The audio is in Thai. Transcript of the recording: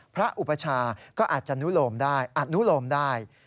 พระอุปชาก็อาจจะนุโลมได้